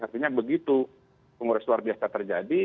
artinya begitu kongres luar biasa terjadi